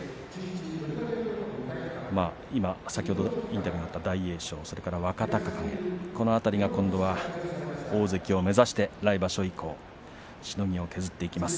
今、先ほどインタビューがあった大栄翔、そして若隆景この辺り、今度は大関を目指して来場所以降しのぎを削っていきます。